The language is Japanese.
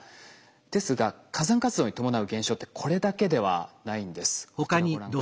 ですが火山活動に伴う現象ってこれだけではないんです。